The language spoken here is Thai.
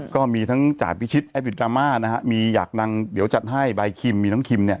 ก็มีทั้งจ่ายพิชิตไอบิดดราม่านะฮะมีอยากดังเดี๋ยวจัดให้ใบคิมมีน้องคิมเนี่ย